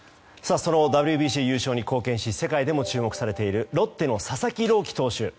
そのＷＢＣ優勝に貢献し世界でも注目されているロッテの佐々木朗希投手。